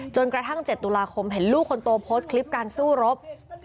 จนกระทั่ง๗ตุลาคมเห็นลูกคนโตโพสต์คลิปการสู้รบ